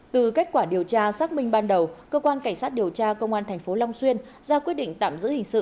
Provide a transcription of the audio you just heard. từ kết quả điều tra xác minh ban đầu cơ quan cảnh sát điều tra công an tp long xuyên ra quyết định tạm giữ hình sự